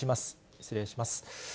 失礼します。